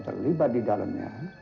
terlibat di dalamnya